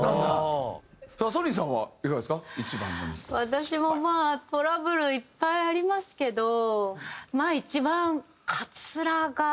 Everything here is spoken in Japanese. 私もまあトラブルいっぱいありますけどまあ一番。